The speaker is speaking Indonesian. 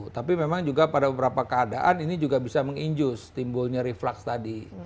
tapi memang juga pada beberapa keadaan ini juga bisa menginjus timbulnya reflux tadi